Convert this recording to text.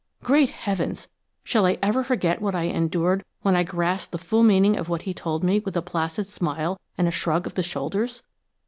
Great heavens! Shall I ever forget what I endured when I grasped the full meaning of what he told me with a placid smile and a shrug of the shoulders!